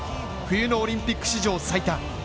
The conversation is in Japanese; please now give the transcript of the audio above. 冬のオリンピック史上最多